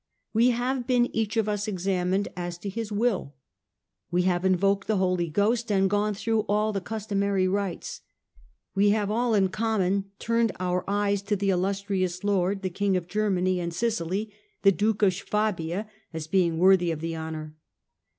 We have been each of us examined as to his will ; we have invoked the Holy Ghost and gone through all the customary rites ; we have all in common turned our eyes to the illustrious lord, the King of Germany and Sicily, the Duke of Suabia, as being worthy of the honour.